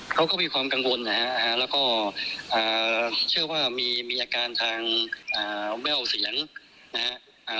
เขาก็มีความกังวลนะฮะแล้วก็อ่าเชื่อว่ามีมีอาการทางอ่าแว่วเสียงนะฮะ